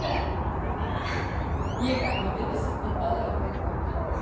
うわ家から持っていった「すっぴんパウダー」こうやって塗って何？